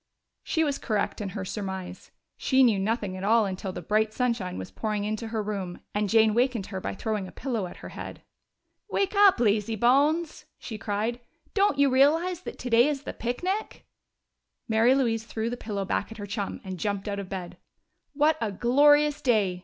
She was correct in her surmise: she knew nothing at all until the bright sunshine was pouring into her room and Jane wakened her by throwing a pillow at her head. "Wake up, lazybones!" she cried. "Don't you realize that today is the picnic?" Mary Louise threw the pillow back at her chum and jumped out of bed. "What a glorious day!"